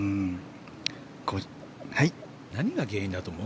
何が原因だと思う？